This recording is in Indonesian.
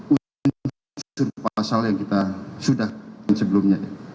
unsur pasal yang kita sudah sebelumnya